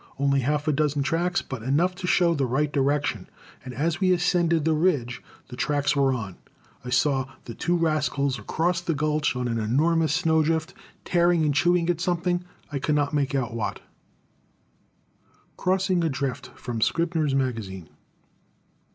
Only a half dozen tracks, but enough to show the right direction, and as we ascended the ridge the tracks were on, I saw the two rascals across the gulch on an enormous snow drift, tearing and chewing at something, I could not make out what. [Illustration: Crossing a Drift. From Scribner's Magazine.